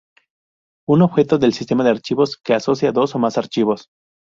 Un objeto del sistema de archivos que asocia dos o más archivos.